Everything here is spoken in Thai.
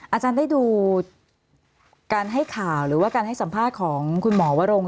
อาจารย์ได้ดูการให้ข่าวหรือว่าการให้สัมภาษณ์ของคุณหมอวรงค